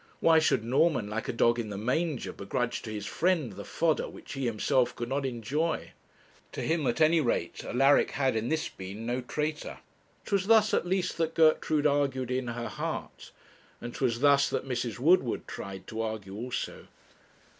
Why should Norman, like a dog in the manger, begrudge to his friend the fodder which he himself could not enjoy? To him, at any rate, Alaric had in this been no traitor. 'Twas thus at least that Gertrude argued in her heart, and 'twas thus that Mrs. Woodward tried to argue also.